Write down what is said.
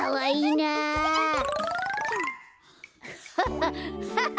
ハッハハ！